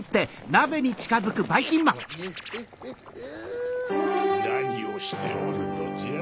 なにをしておるのじゃ？